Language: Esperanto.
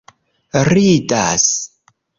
ridas